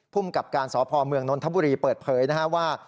พุ่มกับการสอบพอมเมืองนทบุรีเปิดเผยว่า